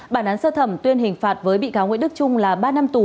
bản án sơ thẩm tuyên hình phạt với bị cáo nguyễn đức trung là ba năm tù